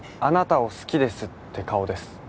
あなたを好きですって顔です。